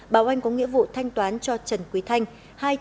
báo oanh có nghĩa vụ thanh toán cho trần quý thanh hai trăm ba mươi năm bảy tỷ đồng